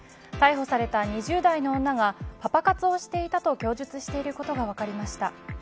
逮捕された２０代の女がパパ活をしていたと供述していることが分かりました。